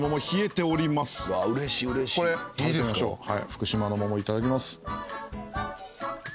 福島の桃いただきます。